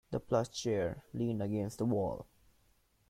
The plush chair leaned against the wall.